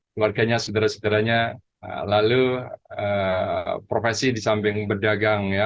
keluarganya sederhana lalu profesi di samping berdagang